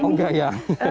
oh enggak ya